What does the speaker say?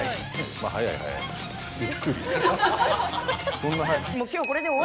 そんな早い。